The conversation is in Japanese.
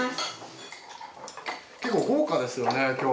結構豪華ですよね今日。